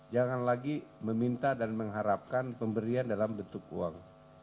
jangan lagi meminta dan mengharapkan pemberian dalam bentuk uang